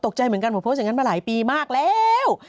ใจเหมือนกันผมโพสต์อย่างนั้นมาหลายปีมากแล้ว